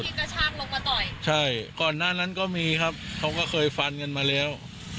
กระชากลงมาต่อยใช่ก่อนหน้านั้นก็มีครับเขาก็เคยฟันกันมาแล้ว